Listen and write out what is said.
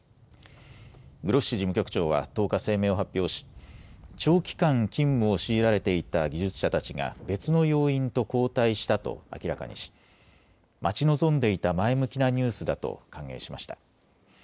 グロッシ事務局長は１０日、声明を発表し長期間、勤務を強いられていた技術者たちが別の要員と交代したと明らかにし待ち望んでいた前向きなニュースだと歓迎しました。